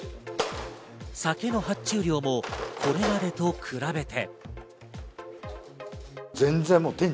酒の発注量もこれまでと比べて。